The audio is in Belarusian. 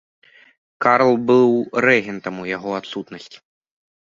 Карл быў рэгентам у яго адсутнасць.